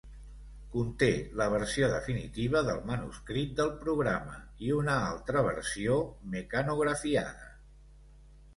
Conté la versió definitiva del manuscrit del programa i una altra versió mecanografiada.